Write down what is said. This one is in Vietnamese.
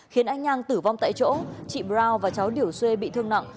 khiến anh nhang tử vong tại chỗ chị brown và cháu điểu xuê bị thương nặng